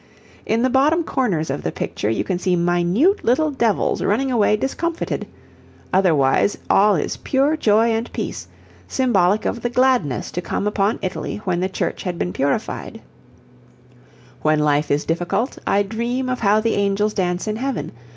In the bottom corners of the picture you can see minute little devils running away discomfited; otherwise all is pure joy and peace, symbolic of the gladness to come upon Italy when the Church had been purified: When Life is difficult, I dream Of how the angels dance in Heaven.